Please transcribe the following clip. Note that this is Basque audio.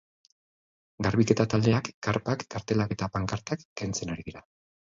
Garbiketa taldeak karpak, kartelak eta pankartak kentzen ari dira.